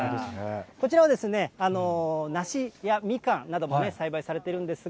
こちらは梨やみかんなども栽培されてるんですが、